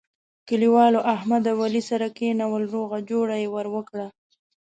کلیوالو احمد او علي سره کېنول روغه جوړه یې ور وکړه.